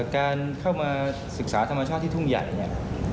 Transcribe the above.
การเข้ามาศึกษาธรรมชาติทุ่งใหญ่